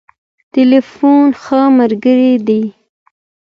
ټليفون ښه ملګری دی.